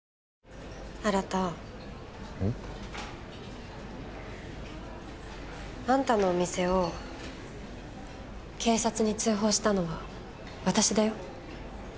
うん？あんたのお店を警察に通報したのは私だよ。